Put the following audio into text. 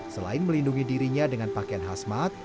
selain melindungi dirinya dengan pakaian khasmat